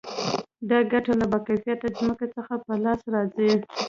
دا ګټه له با کیفیته ځمکې څخه په لاس راځي